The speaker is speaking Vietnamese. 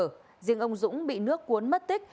riêng ông dũng bị nước cuốn mất tích